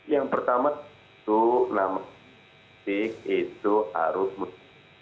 yang pertama itu enam titik itu harus menutup